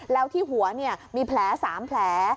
แล้วที่หัวมีแผล๓แผล